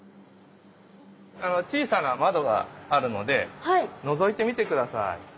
小さな窓があるのでのぞいてみて下さい。